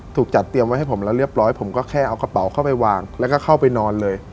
ถูกจัดเตรียมไว้ให้ผมแล้วเรียบร้อยผมก็แค่เอากระเป๋าเข้าไปวางแล้วก็เข้าไปนอนเลย